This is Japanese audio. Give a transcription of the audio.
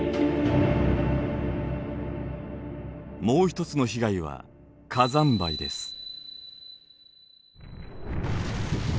もう一つの被害は火山灰です。